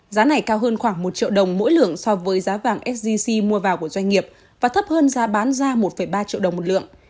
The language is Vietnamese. giá này cao hơn khoảng một triệu đồng mỗi lượng so với giá vàng sgc mua vào của doanh nghiệp và thấp hơn giá bán ra một ba triệu đồng một lượng